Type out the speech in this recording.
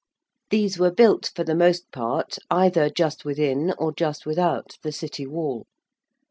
These were built for the most part either just within or just without the City wall.